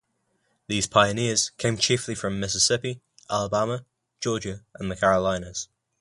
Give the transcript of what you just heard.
These pioneers came chiefly from Mississippi, Alabama, Georgia, and the Carolinas.